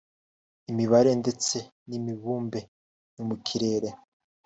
imibare ndetse n’imibumbe yo mu kirere